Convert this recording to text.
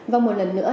và một lần nữa